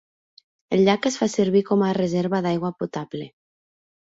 El llac es fa servir com a reserva d'aigua potable.